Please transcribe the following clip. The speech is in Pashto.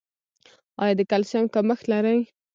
ایا د کلسیم کمښت لرئ؟